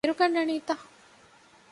ބިރު ގަންނަނީތަ؟